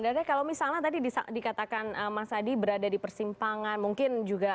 dari kalau misalnya tadi dikatakan mas adi berada di persimpangan